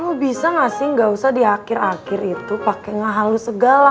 lo bisa gak sih gak usah di akhir akhir itu pake ngehalus segala